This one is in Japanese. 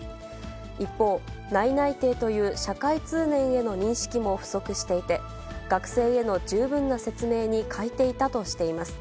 一方、内々定という社会通念への認識も不足していて、学生への十分な説明に欠いていたとしています。